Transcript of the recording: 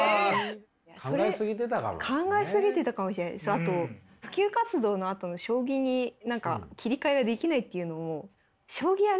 あと普及活動のあとの将棋に何か切り替えができないっていうのもああ。